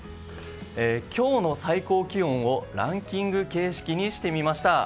今日の最高気温をランキング形式にしてみました。